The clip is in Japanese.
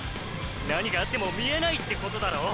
何があっても見えないってことだろ